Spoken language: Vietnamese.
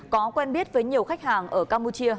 có quen biết với nhiều khách hàng ở campuchia